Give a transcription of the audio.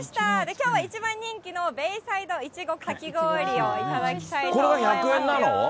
きょうは一番人気のベイサイドいちごかき氷を頂きたいと思います。